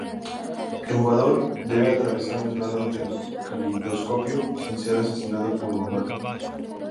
El jugador debe atravesar la entrada del caleidoscopio sin ser asesinado por Mamá.